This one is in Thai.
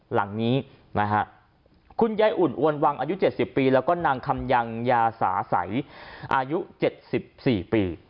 หลังนี้นะฮะคุณยายอุ่นอวนวังอายุ๗๐ปีแล้วก็นางคำยังยาสาใสอายุ๗๔ปี